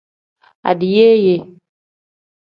Adiyeeye.